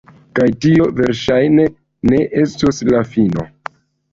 Kaj tio, verŝajne, ne estos la fino.